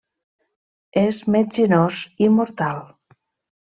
És metzinós i mortal.